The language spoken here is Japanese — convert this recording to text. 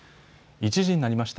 １時になりました。